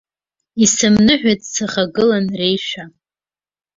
Исымныҳәеит сахагылан реишәа.